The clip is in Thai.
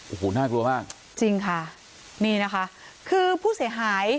โอ้โหน่ากลัวมากจริงค่ะนี่นะคะคือผู้เสียหาย